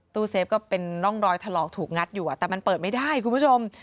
เซฟก็เป็นร่องรอยถลอกถูกงัดอยู่แต่มันเปิดไม่ได้คุณผู้ชม